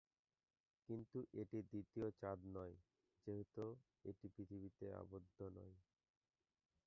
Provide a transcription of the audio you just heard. কিন্তু, এটি দ্বিতীয় চাঁদ নয়, যেহেতু এটি পৃথিবীতে আবদ্ধ নয়।